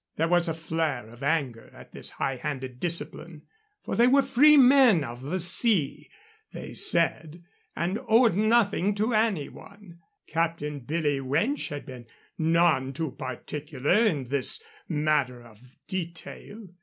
There was a flare of anger at this high handed discipline, for they were free men of the sea, they said, and owed nothing to any one. Captain Billy Winch had been none too particular in this matter of detail.